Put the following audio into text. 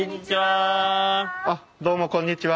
あっどうもこんにちは。